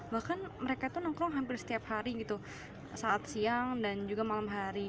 bahkan mereka itu nongkrong hampir setiap hari gitu saat siang dan juga malam hari